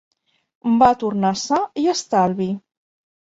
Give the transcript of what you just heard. Va tornar sa i estalvi.